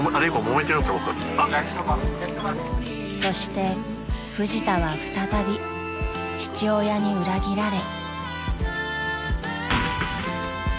［そしてフジタは再び父親に裏切られ］